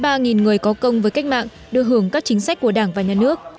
bạc liêu có hơn sáu mươi ba người có công với cách mạng đưa hưởng các chính sách của đảng và nhà nước